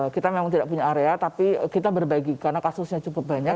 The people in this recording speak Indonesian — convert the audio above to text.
kita memang tidak punya area tapi kita berbagi karena kasusnya cukup banyak